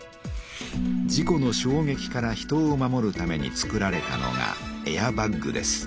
事故のしょうげきから人を守るために作られたのがエアバッグです。